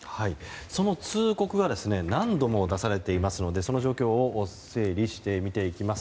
その通告が何度も出されていますのでその状況を整理して見ていきます。